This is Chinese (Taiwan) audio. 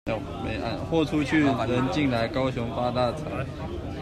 貨出去、人進來，高雄發大財！